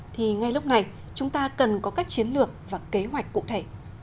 thì ngay lúc này chúng ta cần có các chiến lược và kế hoạch cụ thể